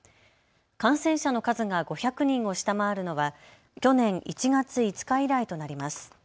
感染者の数が５００人を下回るのは去年１月５日以来となります。